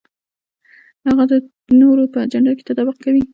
هغه د نورو په اجنډا کې تطابق کوي.